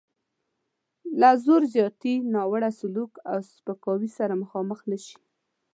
له زور زیاتي، ناوړه سلوک او سپکاوي سره مخامخ نه شي.